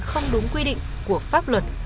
không đúng quy định của pháp luật